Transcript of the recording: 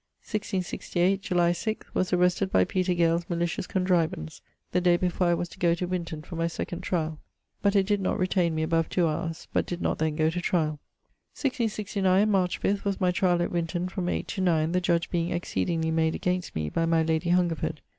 1668: July 6, was arrested by Peter Gale's malicious contrivance, the day before I was to goe to Winton for my second triall, but it did not retain me above two howres; but did not then goe to triall. 1669: March 5, was my triall at Winton, from 8 to 9, the judge being exceedingly made against me, by my lady Hungerford.